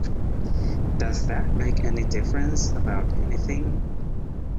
Does that make any difference about anything?